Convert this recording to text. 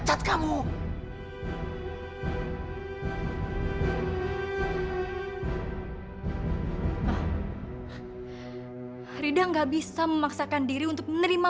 jom kau bikin makanan paling enak